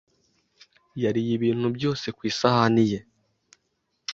yariye ibintu byose ku isahani ye.